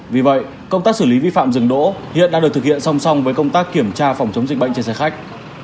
vì vậy công tác xử lý vi phạm dừng đỗ hiện đang được thực hiện song song với công tác kiểm tra phòng chống dịch bệnh trên xe khách